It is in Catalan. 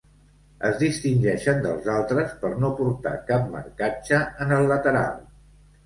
Es distingeixen dels altres per no portar cap marcatge en el lateral.